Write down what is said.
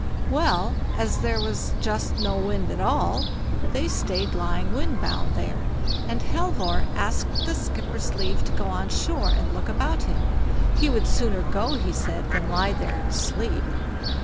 Well, as there was just no wind at all, they stayed lying wind bound there, and Halvor asked the skipper's leave to go on shore and look about him; he would sooner go, he said, than lie there and sleep.